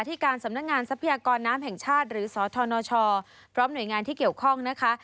ที่การสำนักงานทรัพยากรน้ำแห่งชาติหรือสธนชพร้อมหน่วยงานที่เกี่ยวข้องนะคะ